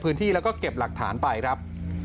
พื้นที่แล้วก็เก็บหลักฐานไปครับ